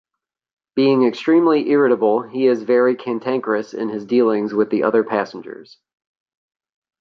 Being extremely irritable, he is very cantankerous in his dealings with the other passengers.